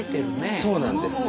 そうなんですよ。